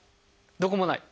どこもない？